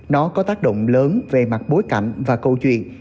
nó có tác động lớn về mặt bối cảnh và câu chuyện